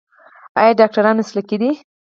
آیا ډاکټران مسلکي دي؟